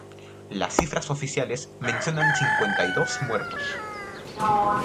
Las cifras oficiales mencionan cincuenta y dos muertos.